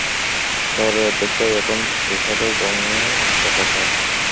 শহরের অর্ধেকটাই এখন তুষারে জমে একাকার!